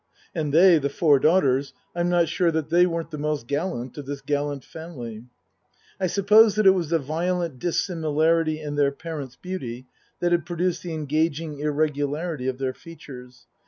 And they the four daughters I'm not sure that they weren't the most gallant of this gallant family. I suppose that it was the violent dissimilarity in their parents' beauty that had produced the engaging irregu larity of their features.